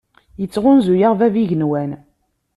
Yettɣunzu-aɣ Bab n yigenwan.